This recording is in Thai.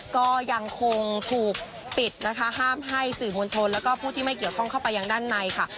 ก็ยังคงถูกปิดนะคะห้ามให้สื่อมวลชนแล้วก็ผู้ที่ไม่เกี่ยวข้องเข้าไปยังด้านในค่ะ